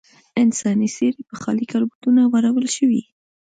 انساني څېرې پر خالي کالبوتونو واړول شوې.